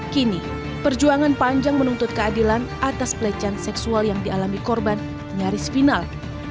kini perjuangan panjang menuntut keadilan atas pelecehan seksual yang dialami korban nyaris final